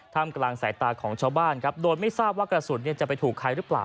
มกลางสายตาของชาวบ้านครับโดยไม่ทราบว่ากระสุนจะไปถูกใครหรือเปล่า